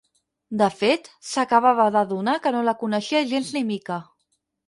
De fet, s'acabava d'adonar que no la coneixia gens ni mica.